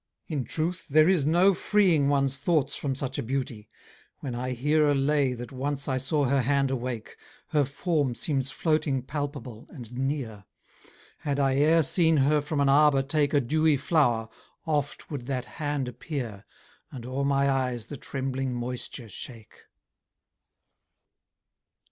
In truth there is no freeing One's thoughts from such a beauty; when I hear A lay that once I saw her hand awake, Her form seems floating palpable, and near; Had I e'er seen her from an arbour take A dewy flower, oft would that hand appear, And o'er my eyes the trembling moisture shake.